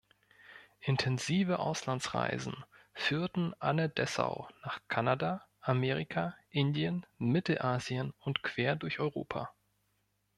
Intensive Auslandsreisen führten Anne Dessau nach Kanada, Amerika, Indien, Mittelasien und quer durch Europa.